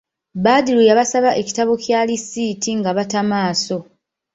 Badru yabasaba ekitabo kya lisiiti nga bata maaso.